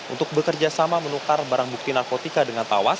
untuk bekerjasama menukar barang bukti narkotika dengan tawas